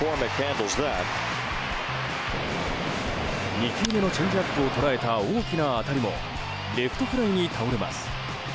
２球目のチェンジアップを捉えた大きな当たりもレフトフライに倒れます。